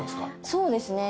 そうですね。